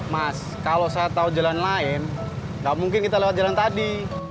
mas kalau saya tahu jalan lain nggak mungkin kita lewat jalan tadi